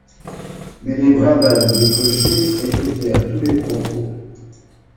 Mais les bravades des cochers étouffèrent tous les propos.